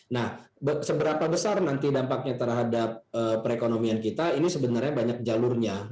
nah seberapa besar nanti dampaknya terhadap perekonomian kita ini sebenarnya banyak jalurnya